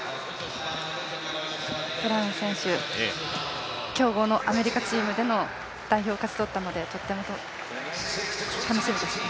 ブラウン選手、強豪のアメリカチームでの代表を勝ち取ったのでとっても楽しみですね。